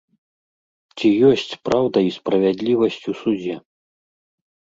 Ці ёсць праўда і справядлівасць у судзе?